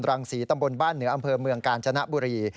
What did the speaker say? รังศรีตำบลบ้านเหนืออำเภอเมืองกาญจนบุรี